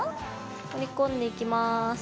折り込んでいきます。